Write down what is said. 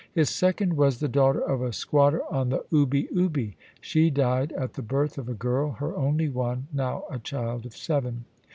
His second was the daughter of a squatter on the Ubi Ubi. She died at the birth of a girl, her only one, now a child of seven.